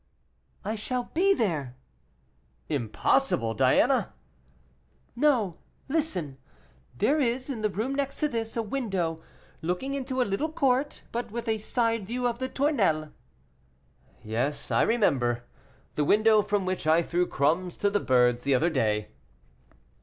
"I shall be there." "Impossible, Diana!" "No; listen. There is, in the room next to this, a window looking into a little court, but with a side view of the Tournelles." "Yes, I remember the window from which I threw crumbs to the birds the other day."